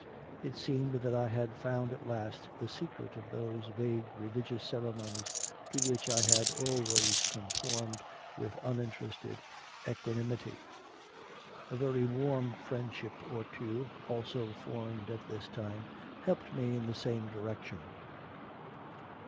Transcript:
It seemed that I had found at last the secret of those vague religious ceremonies to which I had always conformed with uninterested equanimity. A very warm friendship or two, also formed at this time, helped me in the same direction.